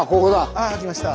あ来ました。